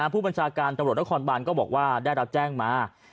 ผู้บัญชาการตะวัดและคอร์ดบานก็บอกว่าได้รับแจ้งมา